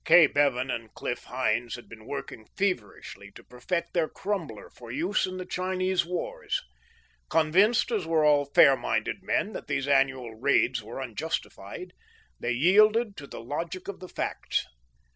Kay Bevan and Cliff Hynes had been working feverishly to perfect their Crumbler for use in the Chinese wars. Convinced, as were all fair minded men, that these annual raids were unjustified, they yielded to the logic of the facts.